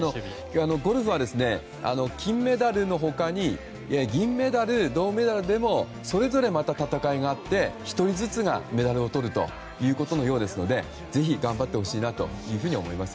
ゴルフは金メダルの他に銀メダル、銅メダルでもそれぞれまた戦いがあって１人ずつがメダルをとるということのようですのでぜひ頑張ってほしいなというふうに思います。